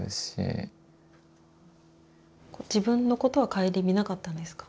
自分のことは顧みなかったんですか？